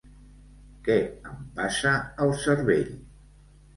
Què em passa al cervell?